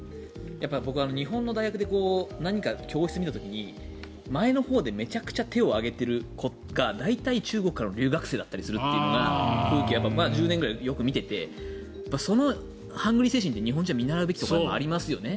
僕、日本の大学で教室見た時に前のほうでめちゃくちゃ手を挙げている子が大体、中国からの留学生だったりするというのがこの１０年くらいよく見ててそのハングリー精神って日本人は見習うべきところがありますよね。